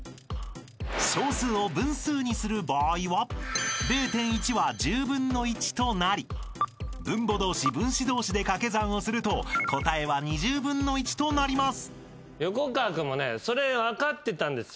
［小数を分数にする場合は０．１は１０分の１となり分母同士分子同士で掛け算をすると答えは２０分の１となります］